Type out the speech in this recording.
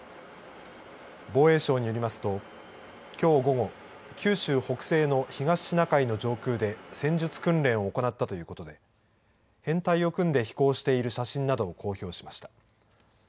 防衛省によりますときょう午後九州北西の東シナ海の上空で戦術訓練を行ったということで編隊を組んで飛行している写真などを公表しました。